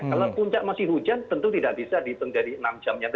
kalau puncak masih hujan tentu tidak bisa dihitung dari enam jamnya